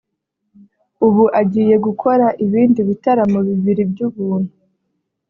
ubu agiye gukora ibindi bitaramo bibiri by’ubuntu